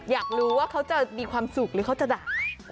อยากรู้ว่าเขาจะมีความสุขหรือเขาจะด่า